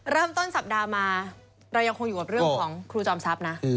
เริ่มต้นสัปดาห์มาเรายังคงอยู่กับเรื่องของครูจอมทรัพย์นะ